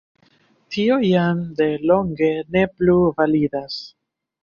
Tio jam de longe ne plu validas.